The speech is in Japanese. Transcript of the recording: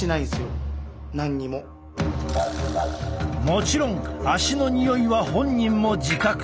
もちろん足のにおいは本人も自覚。